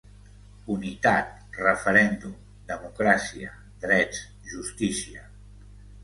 Unitat’, ‘referèndum’, ‘democràcia’, ‘drets’, ‘justícia’.